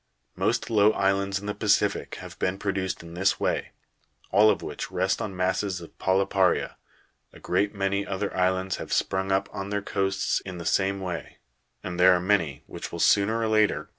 Most low islands in the Pacific have been produced in this way, all of which rest on masses of polypa'ria. A great many other* islands have sprung up on their coasts in the me way ; and there are many which will sooner or later grow same 41.